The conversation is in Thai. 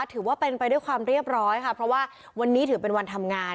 ถือว่าเป็นไปด้วยความเรียบร้อยค่ะเพราะว่าวันนี้ถือเป็นวันทำงาน